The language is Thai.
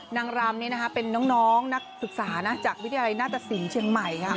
นางรำเป็นน้องนักศึกษาจากวิทยาลัยหน้าตสินเชียงใหม่ค่ะ